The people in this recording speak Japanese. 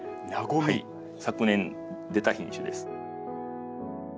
昨年出た品種です。